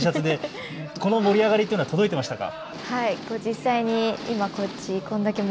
この盛り上がりっていうのは届いていましたか。